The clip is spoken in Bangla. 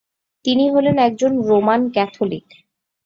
তিনি হলেন একজন রোমান ক্যাথলিক।